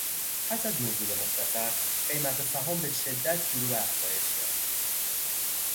پس از نزول مختصر قیمت سهام به شدت شروع به افزایش کرد.